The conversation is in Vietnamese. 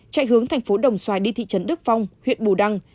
chạy hướng thành phố đồng xoài đi thị trấn đức phong huyện bù đăng